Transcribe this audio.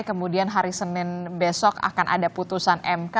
kemudian hari senin besok akan ada putusan mk